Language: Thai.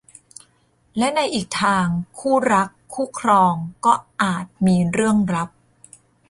และในอีกทางคู่รักคู่ครองก็อาจมีเรื่องลับ